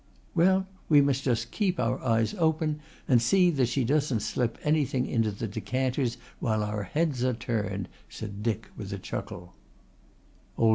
"Well, we must just keep our eyes open and see that she doesn't slip anything into the decanters while our heads are turned," said Dick with a chuckle.